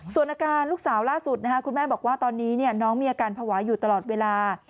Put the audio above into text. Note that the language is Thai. ส่วนอาการลูกสาวล่าสุดคุณแม่บอกว่าตอนนี้น้องมีอาการภาวะอยู่ตลอดเวลา